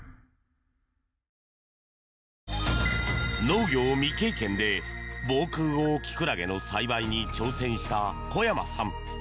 農業未経験で防空壕きくらげの栽培に挑戦した小山さん。